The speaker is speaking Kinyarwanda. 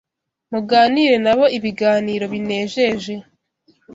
muganire na bo ibiganiro binejeje